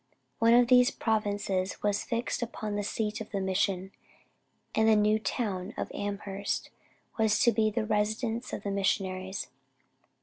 One of these provinces was fixed upon as the seat of the mission, and the new town of Amherst was to be the residence of the missionaries.